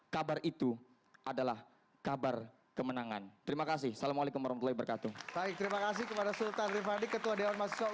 kabar itu adalah kabar kemenangan terima kasih assalamualaikum warahmatullahi wabarakatuh